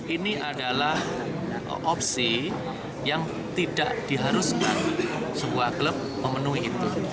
ini adalah opsi yang tidak diharuskan sebuah klub memenuhi itu